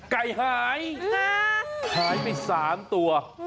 ไก่หายหายไปฝากทีสามตัว